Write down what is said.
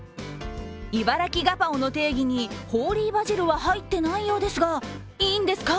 いばらきガパオの定義にホーリーバジルは入ってないようですがいいんですか？